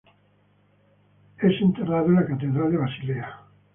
El es enterrado en la Catedral de Basilea.